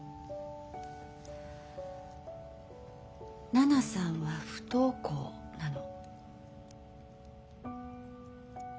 奈々さんは不登校なの。